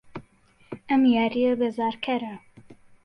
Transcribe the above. ئەم یارییە بێزارکەرە.